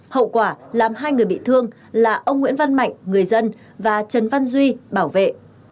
hậu quả làm hai người bị thương là ông nguyễn văn mạnh người dân và trần văn duy bảo vệ